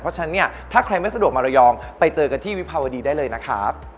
เพราะฉะนั้นเนี่ยถ้าใครไม่สะดวกมาระยองไปเจอกันที่วิภาวดีได้เลยนะครับ